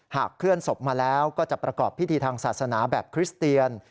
เคลื่อนศพมาแล้วก็จะประกอบพิธีทางศาสนาแบบคริสเตียน